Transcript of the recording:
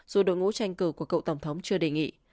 dù đội ngũ tranh cử của cựu tổng thống chưa đề nghị